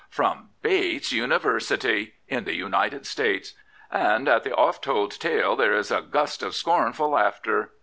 From Bates University, in the United States. And at the oft told tale there is a gust of scornful laughter.